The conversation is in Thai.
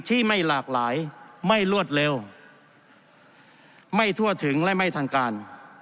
ที่ไม่หลากหลายไม่รวดเร็วไม่ทั่วถึงและไม่ทางการ